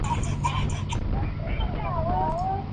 Sin embargo, el Gobierno de la India no aceptó el informe.